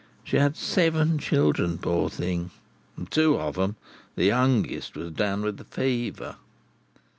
She had seven children, poor thing, and two of 'em, the youngest, was down with the fever.